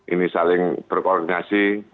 ini saling berkoordinasi